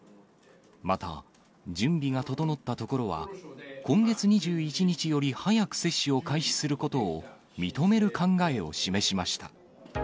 また、準備が整ったところは、今月２１日より早く接種を開始することを認める考えを示しました。